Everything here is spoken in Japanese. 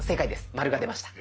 マルが出ました。